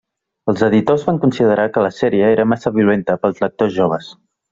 Els editors van considerar que la sèrie era massa violenta per als lectors joves.